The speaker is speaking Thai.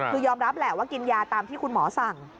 คือยอมรับแหละว่ากินยาตามที่คุณหมอสั่ง